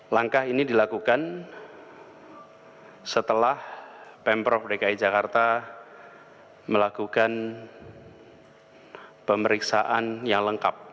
langkah ini dilakukan setelah pemprov dki jakarta melakukan pemeriksaan yang lengkap